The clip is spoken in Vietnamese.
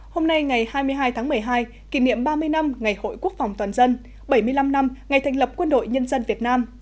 hôm nay ngày hai mươi hai tháng một mươi hai kỷ niệm ba mươi năm ngày hội quốc phòng toàn dân bảy mươi năm năm ngày thành lập quân đội nhân dân việt nam